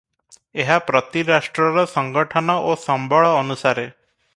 ଏହା ପ୍ରତି ରାଷ୍ଟ୍ରର ସଂଗଠନ ଓ ସମ୍ୱଳ ଅନୁସାରେ ।